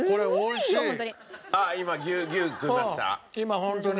今ホントに。